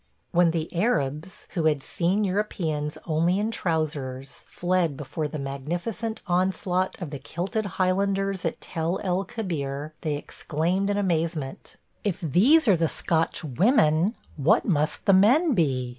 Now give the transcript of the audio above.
... When the Arabs who had seen Europeans only in trousers fled before the magnificent onslaught of the kilted Highlanders at Tel el Kebir, they exclaimed in amazement: "If these are the Scotch women, what must the men be!"